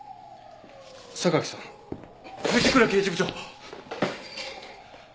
榊さん藤倉刑事部長！